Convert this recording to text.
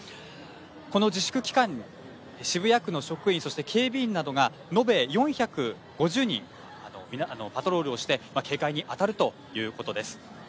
この自粛期間に渋谷区の職員、警備員などが述べ４５０人パトロールして警戒に当たるということです。